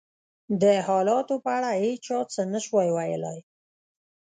د حالاتو په اړه هېڅ چا څه نه شوای ویلای.